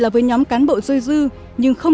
là với nhóm cán bộ rơi dư nhưng không